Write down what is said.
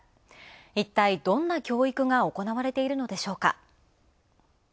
いったいどんな教育が行われているのでしょうか。